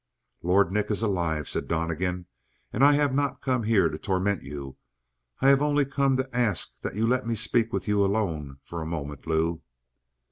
"Lord Nick is alive," said Donnegan. "And I have not come here to torment you; I have only come to ask that you let me speak with you alone for a moment, Lou!"